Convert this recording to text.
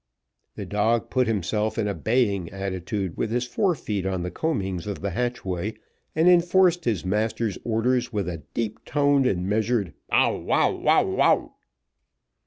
The dog put himself in a baying attitude, with his forefeet on the coamings of the hatchway, and enforced his master's orders with a deep toned and measured bow, wow, wow.